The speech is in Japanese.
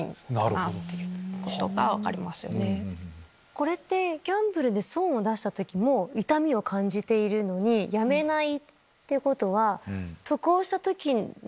これってギャンブルで損を出した時も痛みを感じているのにやめないってことは。